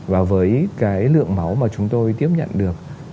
và với cái lượng máu mà chúng tôi tiếp nhận được